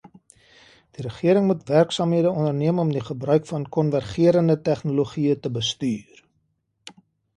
Die regering moet werksaamhede onderneem om die gebruik van konvergerende tegnologieë te bestuur.